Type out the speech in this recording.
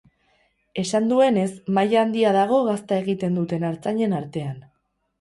Esan duenez, maila handia dago gazta egiten duten artzainen artean.